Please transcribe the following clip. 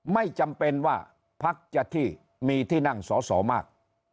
ไม่จำเป็นว่าพักจะที่มีที่นั่งสอสอมาก